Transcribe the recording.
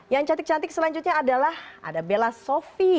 yang cantik cantik selanjutnya adalah ada bella sofy